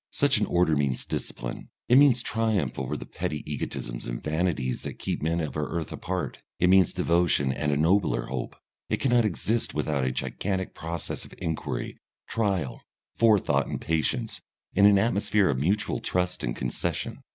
Such an order means discipline. It means triumph over the petty egotisms and vanities that keep men on our earth apart; it means devotion and a nobler hope; it cannot exist without a gigantic process of inquiry, trial, forethought and patience in an atmosphere of mutual trust and concession.